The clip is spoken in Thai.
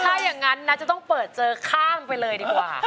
ถ้าอย่างนั้นนะจะต้องเปิดเจอข้ามไปเลยดีกว่า